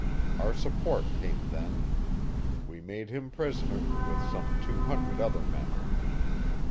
Our support came then. We made him prisoner, with some two hundred other men.